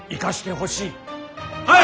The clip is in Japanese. はい！